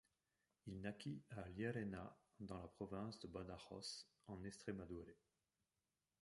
Il naquit à Llerena dans la province de Badajoz en Estrémadure.